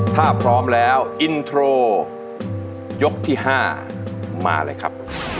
ถ้าพร้อมแล้วอินโทรยกที่๕มาเลยครับ